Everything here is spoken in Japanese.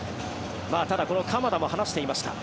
ただ、この鎌田も話していました。